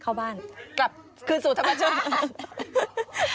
เข้าบ้านกลับคืนสู่ธรรมชาติ